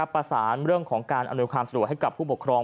ประสานเรื่องของการอำนวยความสะดวกให้กับผู้ปกครอง